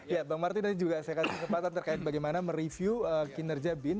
ya bang martin tadi juga saya kasih kesempatan terkait bagaimana mereview kinerja bin